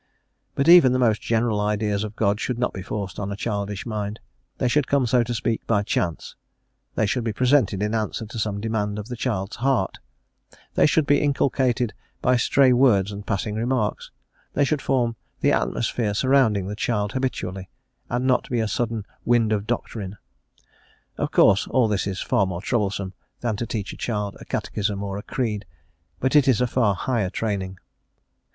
But even the most general ideas of God should not be forced on a childish mind; they should come, so to speak, by chance; they should be presented in answer to some demand of the child's heart; they should be inculcated by stray words and passing remarks; they should form the atmosphere surrounding the child habitually, and not be a sudden "wind of doctrine." Of course all this is far more troublesome than to teach a child a catechism or a creed, but it is a far higher training.